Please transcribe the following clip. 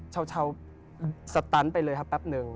เช้าสตันไปเลยครับแป๊บนึง